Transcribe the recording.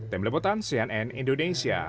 tim lembutan cnn indonesia